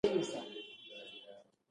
وژنه د پټو ارمانونو ماتې ده